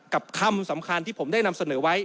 คำสำคัญที่ผมได้นำเสนอไว้